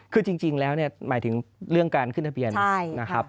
คือจริงแล้วเนี่ยหมายถึงเรื่องการขึ้นทะเบียนนะครับ